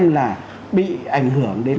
là bị ảnh hưởng đến